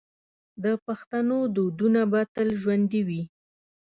د پښتنو دودونه به تل ژوندي وي.